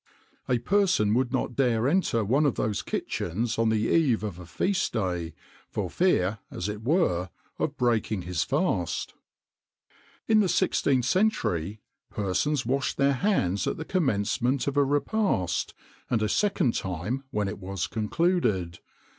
A person would not dare enter one of those kitchens on the eve of a feast day, for fear, as it were, of breaking his fast. "In the 16th century persons washed their hands at the commencement of a repast, and a second time when it was concluded.